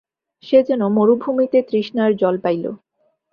সে যেন মরুভূমিতে তৃষ্ণার জল পাইল।